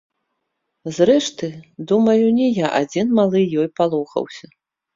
Зрэшты, думаю, не я адзін малы ёй палохаўся.